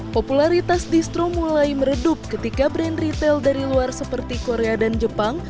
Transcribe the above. popularitas distro mulai meredup ketika brand retail dari luar seperti korea dan jepang